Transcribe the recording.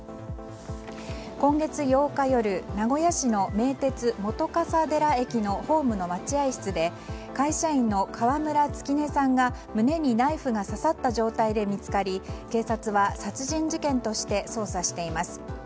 今月８日夜、名古屋市の名鉄本笠寺駅のホームの待合室で会社員の川村月音さんが胸にナイフが刺さった状態で見つかり警察は殺人事件として捜査しています。